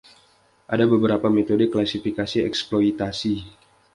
Ada beberapa metode klasifikasi eksploitasi.